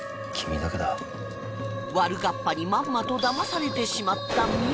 悪河童にまんまとだまされてしまった澪